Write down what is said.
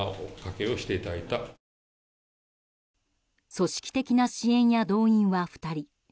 組織的な支援や動員は２人。